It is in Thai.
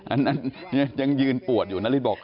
อันนั้นยังยืนปวดอยู่นาริสบอก